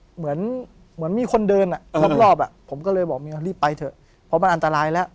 เหมือนเหมือนมีคนเดินอ่ะรอบอ่ะผมก็เลยบอกเมียรีบไปเถอะเพราะมันอันตรายแล้ว